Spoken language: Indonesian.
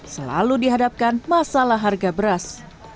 selalu dihadapkan masalah harga beras